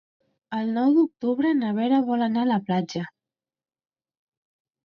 El nou d'octubre na Vera vol anar a la platja.